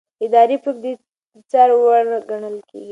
اداري پریکړې د څار وړ ګڼل کېږي.